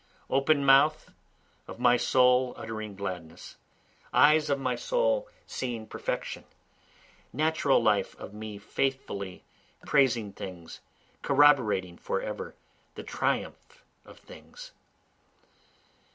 Open mouth of my soul uttering gladness, Eyes of my soul seeing perfection, Natural life of me faithfully praising things, Corroborating forever the triumph of things.